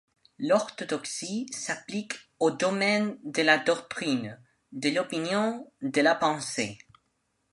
L'orthodoxie s'applique aux domaines de la doctrine, de l'opinion, de la pensée.